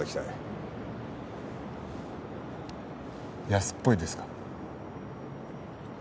安っぽいですか？